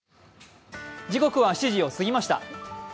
時刻は７時を過ぎました。